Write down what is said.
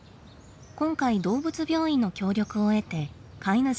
今回動物病院の協力を得て飼い主を捜しました。